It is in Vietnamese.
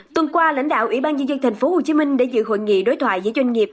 tuần qua lãnh đạo ủy ban nhân dân tp hcm đã dự hội nghị đối thoại với doanh nghiệp